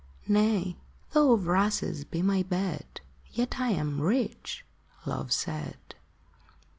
" Nay : though of rushes be my bed, Yet am I rich," Love said.